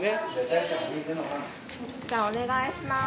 じゃあお願いします。